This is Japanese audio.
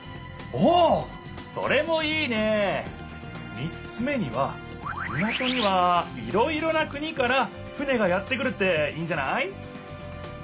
３つ目には港にはいろいろな国から船がやって来るっていいんじゃない？